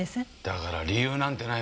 だから理由なんてない。